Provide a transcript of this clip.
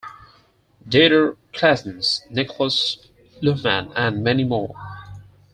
Dieter Claessens, Niklas Luhmann, and many more.